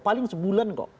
paling sebulan kok